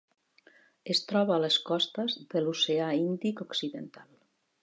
Es troba a les costes de l'Oceà Índic Occidental.